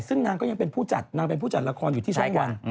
ซึ่งนางก็ยังเป็นผู้จัดนางเป็นผู้จัดละครอยู่ที่ช่องวัน